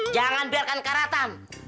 jangan biarkan karatan